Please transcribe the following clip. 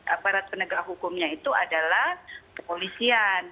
aparat penegak hukumnya itu adalah kepolisian